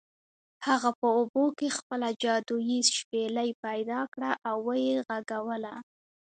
هغه په اوبو کې خپله جادويي شپیلۍ پیدا کړه او و یې غږوله.